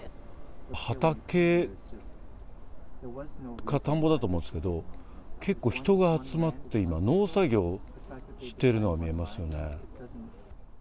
畑か田んぼだと思うんですけど、結構、人が集まって、今、農作業してるのが見えますよね。